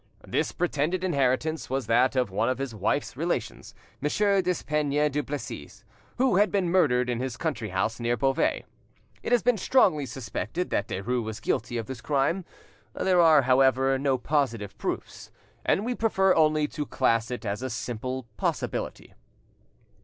This pretended inheritance was that of one of his wife's relations, Monsieur Despeignes Duplessis, who had been murdered in his country house, near Beauvais. It has been strongly suspected that Derues was guilty of this crime. There are, however, no positive proofs, and we prefer only to class it as a simple possibility.